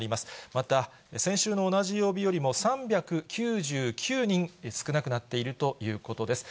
また先週の同じ曜日よりも３９９人少なくなっているということです。